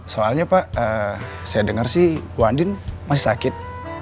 soalnya pak saya dengar sih bu andin masih sakit